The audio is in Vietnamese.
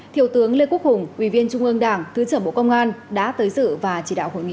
thiếu tướng lê quốc hùng ủy viên trung ương đảng thứ trưởng bộ công an đã tới dự và chỉ đạo hội nghị